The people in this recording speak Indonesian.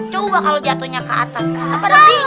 coba kalau jatohnya ke atas apa ada bingung